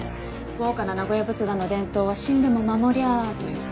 豪華な名古屋仏壇の伝統は死んでも守りゃあという